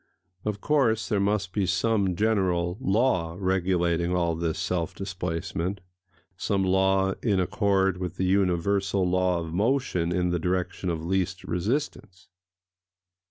Of course there must be some general law regulating all this self displacement,—some law in accord with the universal law of motion in [Pg 207] the direction of least resistance.